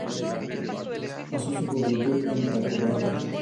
Pasó su juventud en Tacubaya.